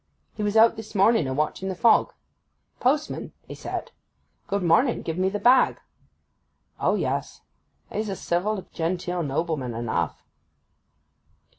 He was out this morning a watching the fog. "Postman," 'a said, "good morning: give me the bag." O, yes, 'a's a civil genteel nobleman enough.